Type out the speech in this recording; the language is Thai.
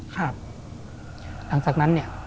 หลังจากนั้น